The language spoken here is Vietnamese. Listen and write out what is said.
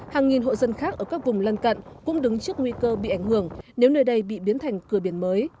hàng nghìn hộ dân khác ở các vùng lân cận cũng đứng trước nguy cơ bị ảnh hưởng nếu nơi đây bị biến thành cửa biển mới